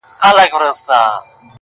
ما خو گيله ترې په دې په ټپه کي وکړه